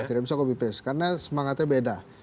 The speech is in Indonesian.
tidak bisa copy paste karena semangatnya beda